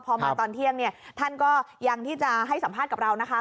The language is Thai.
พอมาตอนเที่ยงท่านก็ยังที่จะให้สัมภาษณ์กับเรานะคะ